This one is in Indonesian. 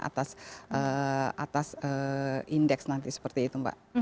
atas indeks nanti seperti itu mbak